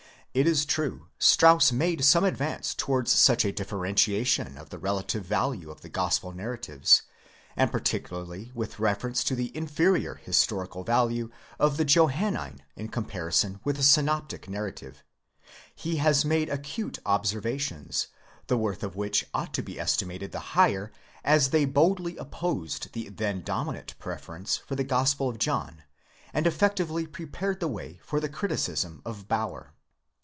It is true Strauss made some advance towards such a differentiation of the relative value of the gospel narratives ; and particularly with reference to the inferior historical value of the Johannine in com xiv INTRODUCTION. parison with the Synoptic narrative, he has made acute observations, the worth of which ought to be estimated the higher as they boldly opposed the then dominant preference for the Gospel of John, and effectively prepared the way for the criticism of Baur.